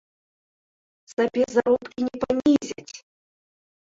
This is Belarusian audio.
Сабе заробкі не панізяць!